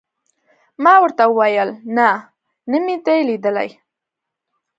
ما ورته وویل: نه، نه مې دي لیدلي.